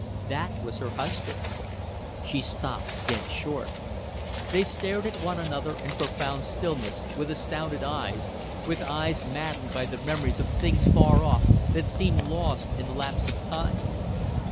That was her husband. She stopped dead short. They stared at one another in profound stillness, with astounded eyes, with eyes maddened by the memories of things far off that seemed lost in the lapse of time.